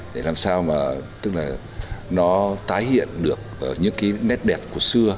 để làm sao mà tức là nó tái hiện được những cái nét đẹp của xưa